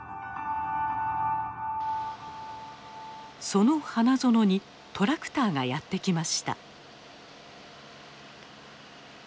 その花園にトラクターがやって来ました。